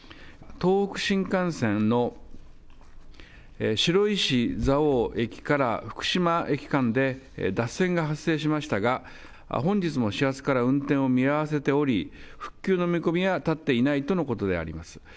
東北新幹線の白石蔵王駅から福島駅間で脱線が発生しましたが、本日の始発から運転を見合わせており、復旧の見込みは立っていないとのことであります。